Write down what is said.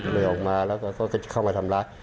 ก็เลยออกมาแล้วก็เขาก็จะเข้ามาทำร้าย